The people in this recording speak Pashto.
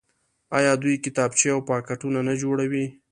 آیا دوی کتابچې او پاکټونه نه جوړوي؟